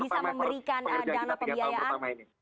bisa memberikan dana pembayaran